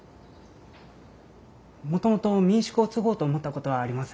もともと民宿を継ごうと思ったことはありません。